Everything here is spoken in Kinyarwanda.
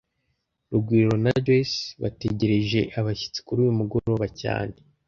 Rugwiro na Joyce bategereje abashyitsi kuri uyu mugoroba cyane